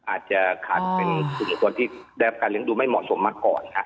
อาจจะขาดเป็นส่วนบุคคลที่ได้รับการเลี้ยงดูไม่เหมาะสมมาก่อนครับ